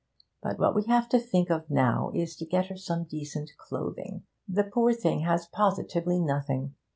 But what we have to think of now is to get her some decent clothing. The poor thing has positively nothing.